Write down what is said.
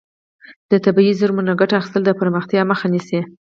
د طبیعي زیرمو نه ګټه اخیستل د پرمختیا مخه نیسي.